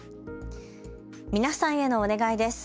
皆さんへのお願いです。